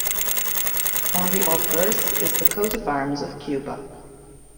On the obverse is the Coat of Arms of Cuba.